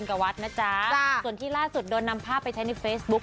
ส่วนที่ราดสุดโดนนำภาพไปใช้ในเฟสบุ้ค